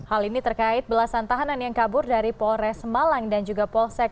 hal ini terkait belasan tahanan yang kabur dari polres malang dan juga polsek